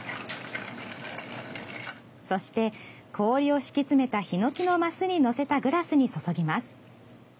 そして、氷を敷き詰めたひのきの升にのせたグラスに注ぎます。